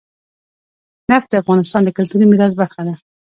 نفت د افغانستان د کلتوري میراث برخه ده.